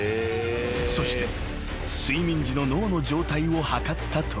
［そして睡眠時の脳の状態を測ったところ］